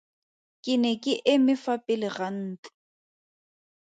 Ke ne ke eme fa pele ga ntlo.